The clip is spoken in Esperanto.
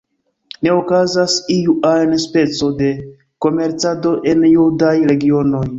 Ne okazas iu ajn speco de komercado en judaj regionoj.